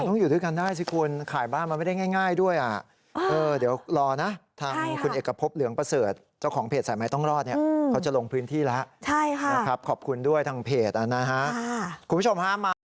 อยู่ด้วยกันได้สิคุณขายบ้านมันไม่ได้ง่ายด้วยอ่ะเดี๋ยวรอนะทางคุณเอกพบเหลืองประเสริฐเจ้าของเพจสายไม้ต้องรอดเนี่ยเขาจะลงพื้นที่แล้วนะครับขอบคุณด้วยทางเพจนะฮะคุณผู้ชมฮะมา